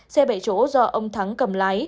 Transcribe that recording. xe bệ chỗ do ông thắng cầm lái